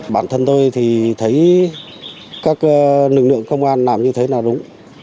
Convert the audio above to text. bản thân tôi thì thấy các lực lượng công an làm như thế là đúng